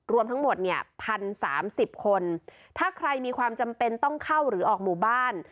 รวมทั้งหมดเนี่ยพันสามสิบคนถ้าใครมีความจำเป็นต้องเข้าหรือออกหมู่บ้าน